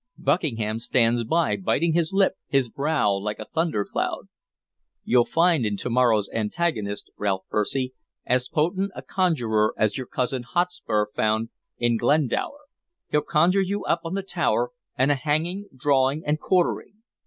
Buckingham stands by, biting his lip, his brow like a thundercloud. You'll find in to morrow's antagonist, Ralph Percy, as potent a conjurer as your cousin Hotspur found in Glendower. He'll conjure you up the Tower, and a hanging, drawing, and quartering.